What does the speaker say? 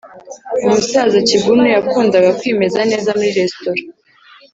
- umusaza kigunu yakundaga kwimeza neza muri resitora